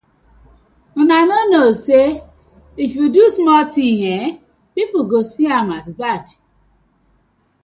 Una kno say yu do small tins e go pipu go see am as bad.